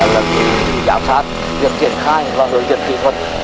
giám sát việc triển khai và đối diện kỹ thuật